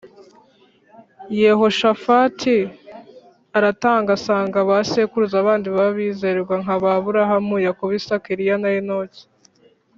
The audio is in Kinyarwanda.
Yehoshafati aratanga asanga ba sekuruza bandi babizerwa nka ba burahamu ,yakobo, isaka, eriya na enoki